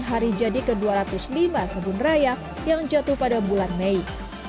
hari jadi ke dua ratus lima kebun raya yang jatuh pada bulan mei